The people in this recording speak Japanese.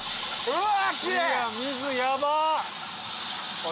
うわ！